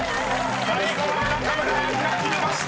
［最後は中村アンが決めました。